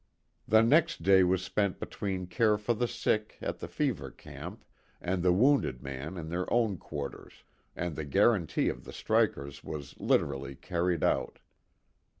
The next day was spent between care for the sick at the fever camp and the wounded man in their own quarters, and the guarantee of the strikers was literally carried out.